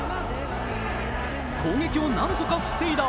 攻撃を何とか防いだ。